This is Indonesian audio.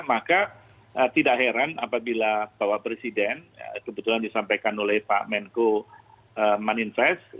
maka tidak heran apabila bapak presiden kebetulan disampaikan oleh pak menko manifest